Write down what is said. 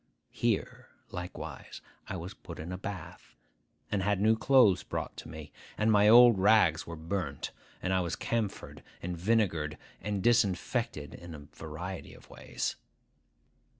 Here, likewise, I was put in a bath, and had new clothes brought to me; and my old rags were burnt, and I was camphored and vinegared and disinfected in a variety of ways.